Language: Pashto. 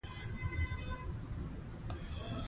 ډېره پروسس شوې ډوډۍ ډېر کیمیاوي مواد لري.